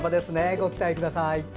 ご期待ください。